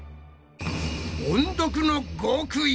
音読の極意！